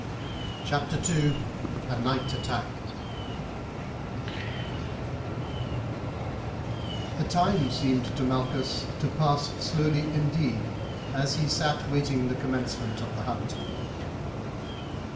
CHAPTER II: A NIGHT ATTACK The time seemed to Malchus to pass slowly indeed as he sat waiting the commencement of the hunt.